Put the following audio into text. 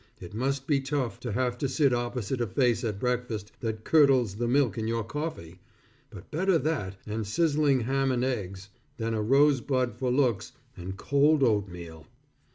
It must be tough, to have to sit opposite a face at breakfast, that curdles the milk in your coffee, but better that and sizzling ham and eggs, than a rose bud for looks, and cold oatmeal.